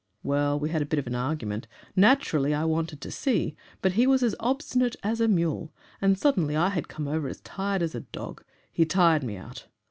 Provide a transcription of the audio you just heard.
Well, we had a bit of an argument. Naturally I wanted to see; but he was as obstinate as a mule, and suddenly I had come over as tired as a dog he tired me out.